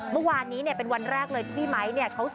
เมื่อวานนี้เป็นวันแรกเลยที่พี่ไมค์